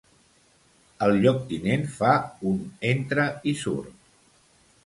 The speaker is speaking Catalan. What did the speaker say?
El lloctinent fa un entra-i-surt.